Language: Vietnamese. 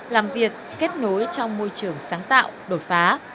làm việc kết nối trong môi trường sáng tạo đột phá